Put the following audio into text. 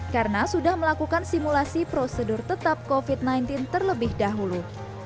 karena sudah melakukan simulasi prosedur tetap covid sembilan belas terlebih dahulu